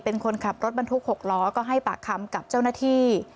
เป็นคนขับรถบรรทุก๖ล้อก็ให้ปากคำกับเจ้าหน้าที่